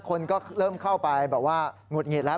คนก็เริ่มเข้าไปแบบว่าหงุดหงิดแล้ว